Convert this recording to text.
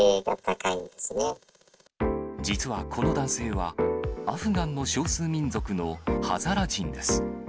実はこの男性は、アフガンの少数民族のハザラ人です。